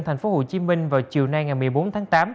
thành phố hồ chí minh vào chiều nay ngày một mươi bốn tháng tám